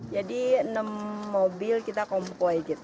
jadi enam mobil kita kompoi gitu